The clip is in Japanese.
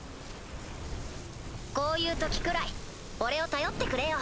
こういう時くらい俺を頼ってくれよ。